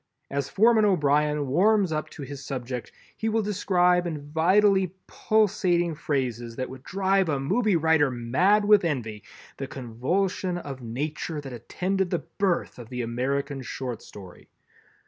As Foreman O'Brien warms up to his subject he will describe in vitally pulsating phrases that would drive a movie writer mad with envy, the convulsion of Nature that attended the birth of the American Short Story.